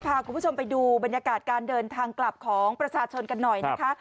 พาคุณผู้ชมไปดูบรรยากาศการเดินทางกลับของประชาชนกันหน่อยนะคะ